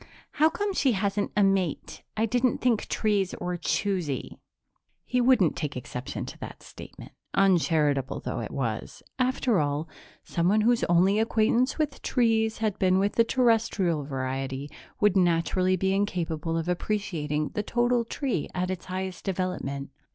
"How come she hasn't a mate? I didn't think trees were choosy." He wouldn't take exception to that statement, uncharitable though it was; after all, someone whose only acquaintance with trees had been with the Terrestrial variety would naturally be incapable of appreciating the total tree at its highest development.